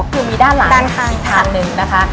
คือมีด้านหลังอีกทางหนึ่งนะคะ